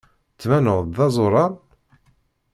Ttbaneɣ-d d azuran?